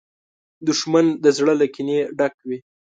دښمن د زړه له کینې نه ډک وي